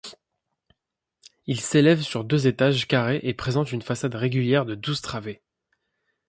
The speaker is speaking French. Il s'élève sur deux étages carrés et présente une façade régulière de douze travées.